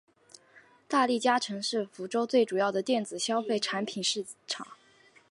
大利嘉城是福州最主要的电子消费产品市场。